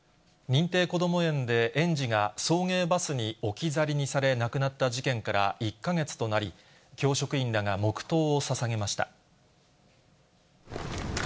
認定こども園で、園児が送迎バスに置き去りにされ、亡くなった事件から１か月となり、黙とう。